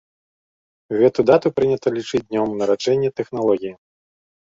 Гэту дату прынята лічыць днём нараджэння тэхналогіі.